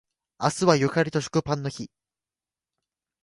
明日はゆかりと食パンの日